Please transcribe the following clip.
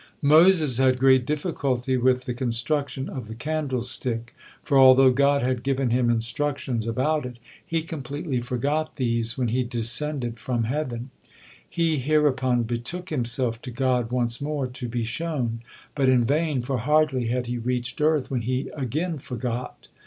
Moses had great difficulty with the construction of the candlestick, for although God had given him instructions about it, he completely forgot these when he descended from heaven. He hereupon betook himself to God once more to be shown, but in vain, for hardly had he reached earth, when he again forgot.